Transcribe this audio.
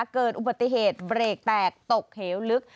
เกิดอุบัติเหตุเบรกแตกตกเหวลึก